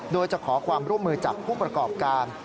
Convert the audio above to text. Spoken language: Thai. โดยจะขอความร่วมมือจากผู้ประกอบการ